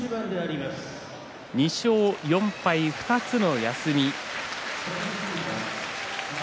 ２勝４敗２つの休み。